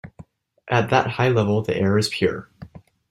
At that high level the air is pure.